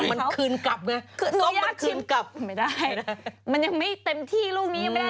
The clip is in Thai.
มันคืนกลับไงก็มาคืนกลับไม่ได้นะมันยังไม่เต็มที่ลูกนี้ยังไม่ได้